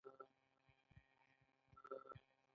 هلته د کارګرانو کاري مزد کم دی